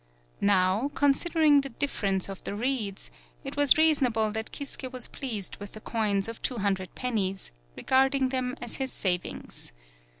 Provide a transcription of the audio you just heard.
Now, considering the difference of 17 PAULOWNIA the reeds, it was reasonable that Kisuke was pleased with the coins of two hun dred pennies, regarding them as his sav ings.